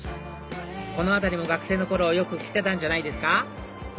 この辺りも学生の頃よく来てたんじゃないですか？